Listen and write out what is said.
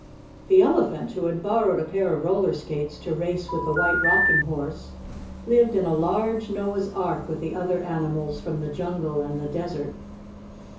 The Elephant, who had borrowed a pair of roller skates to race with the White Rocking Horse, lived in a large Noah's Ark with the other animals from the jungle and the desert.